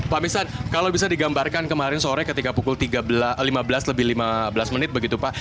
pak misan kalau bisa digambarkan kemarin sore ketika pukul lima belas lebih lima belas menit begitu pak